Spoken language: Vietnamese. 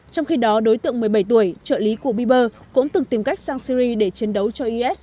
trong khi đó đối tượng một mươi bảy tuổi trợ lý của biber cũng từng tìm cách sang syri để chiến đấu cho is